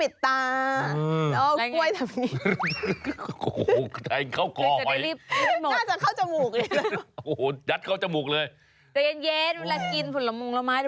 เดี๋ยวฉันจะปิดตา